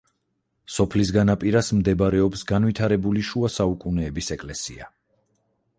სოფლის განაპირას მდებარეობს განვითარებული შუა საუკუნეების ეკლესია.